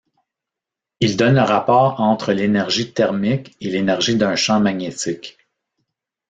Il donne le rapport entre l'énergie thermique et l'énergie d'un champ magnétique.